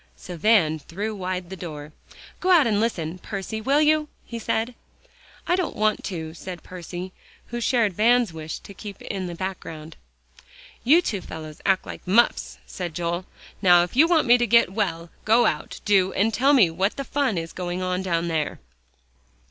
So Van threw wide the door. "Go out and listen, Percy, will you?" he said. "I don't want to," said Percy, who shared Van's wish to keep in the background. "You two fellows act like muffs," said Joel. "Now if you want me to get well, go out, do, and tell me what the fun is going on down there."